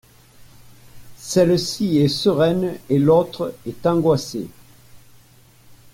Celle-ci est sereine et l’autre est angoissée.